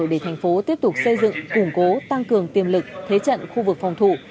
để thành phố tiếp tục xây dựng củng cố tăng cường tiềm lực thế trận khu vực phòng thủ